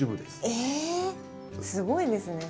えっすごいですね。